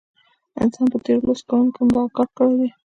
انسان په تیرو لسو کلونو کې همدغه کار کړی دی.